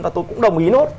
và tôi cũng đồng ý nốt